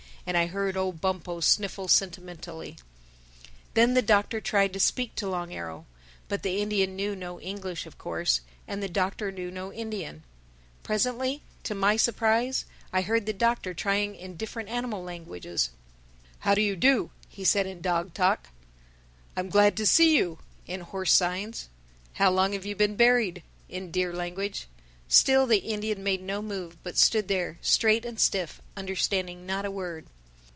And I heard old Bumpo sniffle sentimentally. Then the Doctor tried to speak to Long Arrow. But the Indian knew no English of course, and the Doctor knew no Indian. Presently, to my surprise, I heard the Doctor trying him in different animal languages. [Illustration: "It was a great moment"] "How do you do?" he said in dog talk; "I am glad to see you," in horse signs; "How long have you been buried?" in deer language. Still the Indian made no move but stood there, straight and stiff, understanding not a word.